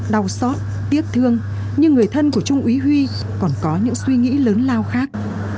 đau xót tiếc thương nhưng người thân của trung úy huy còn có những suy nghĩ lớn lao khác